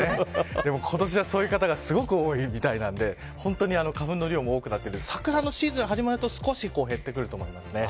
今年はそういう方がすごく多いみたいなんでほんとに花粉の量も多くなっていて桜のシーズンが始まってくると少し減ってくると思いますね。